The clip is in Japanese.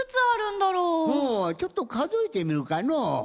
ほうちょっとかぞえてみるかのう。